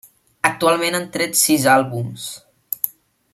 Actualment han tret sis àlbums.